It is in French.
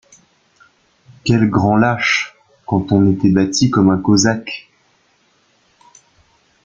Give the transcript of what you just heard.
Quel grand lâche, quand on était bâti comme un Cosaque!